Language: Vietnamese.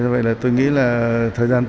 vậy là tôi nghĩ là thời gian tới